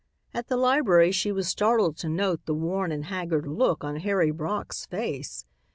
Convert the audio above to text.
At the library she was startled to note the worn and haggard look on Harry Brock's face.